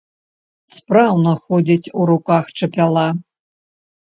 Спраўна ходзіць у руках чапяла.